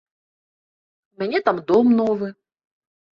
У мяне там дом новы.